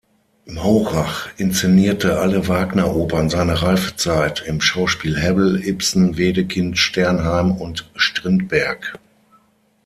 Maurach inszenierte alle Wagner-Opern seiner Reifezeit, im Schauspiel Hebbel, Ibsen, Wedekind, Sternheim und Strindberg.